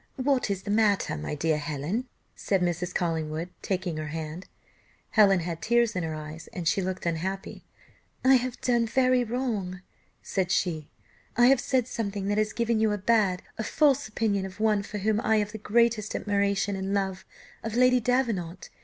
"What is the matter, my dear Helen?" said Mrs. Collingwood, taking her hand. Helen had tears in her eyes and looked unhappy. "I have done very wrong," said she; "I have said something that has given you a bad, a false opinion of one for whom I have the greatest admiration and love of Lady Davenant.